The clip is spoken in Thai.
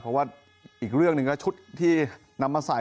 เพราะว่าอีกเรื่องหนึ่งก็ชุดที่นำมาใส่